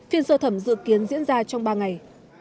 phiên sơ thẩm dự kiến diễn ra trong ba ngày